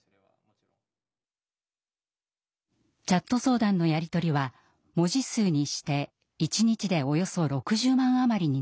チャット相談のやり取りは文字数にして一日でおよそ６０万余りになります。